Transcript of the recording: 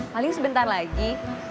paling sebentar lagi